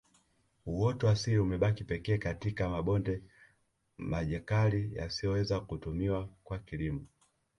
Uoto asilia umebaki pekee katika mabonde majkali yasiyoweza kutumiwa kwa kilimo